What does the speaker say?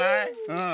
うん。